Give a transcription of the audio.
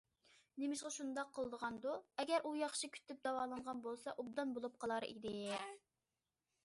نېمىشقا شۇنداق قىلىدىغاندۇ؟ ئەگەر ئۇ ياخشى كۈتۈپ داۋالانغان بولسا ئوبدان بولۇپ قالار ئىدى.